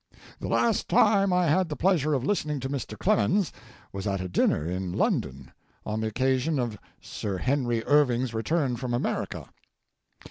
The last time I had the pleasure of listening to Mr. Clemens was at a dinner in London on the occasion of Mr. Henry Irving's return from America.